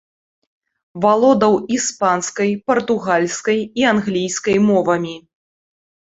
Валодаў іспанскай, партугальскай і англійскай мовамі.